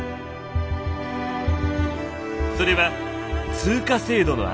それは通貨制度の安定。